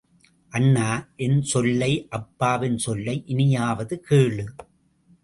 அண்ணா, என் சொல்லை, அப்பாவின் சொல்லை இனியாவது கேளு.